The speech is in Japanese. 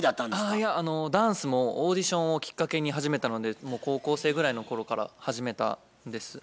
いやダンスもオーディションをきっかけに始めたので高校生ぐらいの頃から始めたんです。